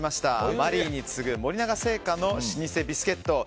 マリーに次ぐ森永製菓の老舗ビスケット。